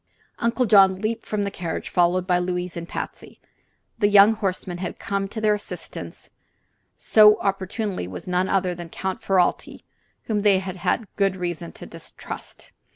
Uncle John leaped from the carriage, followed by Louise and Patsy. The young horseman who had come to their assistance so opportunely was none other than Count Ferralti, whom they had such good reason to distrust.